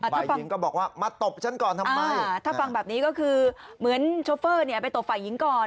ฝ่ายหญิงก็บอกว่ามาตบฉันก่อนทำไมถ้าฟังแบบนี้ก็คือเหมือนโชเฟอร์เนี่ยไปตบฝ่ายหญิงก่อน